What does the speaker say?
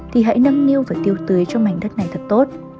thì hãy nâng niu và tiêu tưới cho mảnh đất này thật tốt